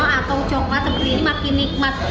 cappuccino atau cokelat seperti ini makin nikmat